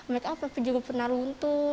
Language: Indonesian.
make up tapi juga pernah runtuh